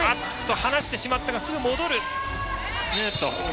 離してしまったがすぐ戻る。